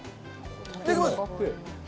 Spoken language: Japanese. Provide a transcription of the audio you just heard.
いただきます！